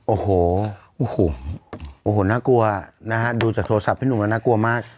โอ้โหโอ้โหน่ากลัวนะฮะดูจากโทรศัพท์พี่หนุ่มแล้วน่ากลัวมาก